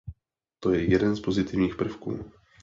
To je jeden z pozitivních prvků.